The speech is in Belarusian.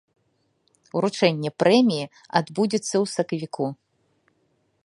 Уручэнне прэміі адбудзецца ў сакавіку.